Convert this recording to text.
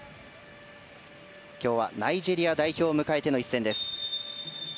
今日はナイジェリア代表を迎えての一戦です。